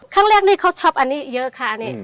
ครั้งแรกนี่เขาช็อปอันนี้เยอะค่ะอันนี้